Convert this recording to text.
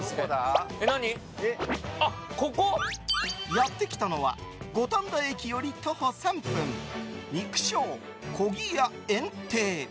やってきたのは五反田駅より徒歩３分肉匠コギヤ宴庭。